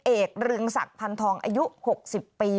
เอกเรืองศักดิ์พันธองอายุ๖๐ปี